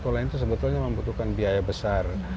membangun sekolah butuh biaya yang besar